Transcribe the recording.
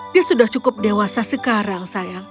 dia sudah cukup dewasa sekarang sayang